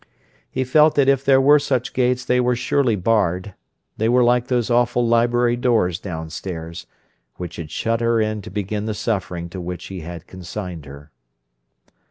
He felt that if there were such gates they were surely barred: they were like those awful library doors downstairs, which had shut her in to begin the suffering to which he had consigned her.